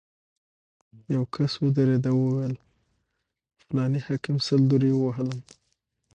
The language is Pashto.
یو کس ودرېد او ویې ویل: فلاني حاکم سل درې ووهلم.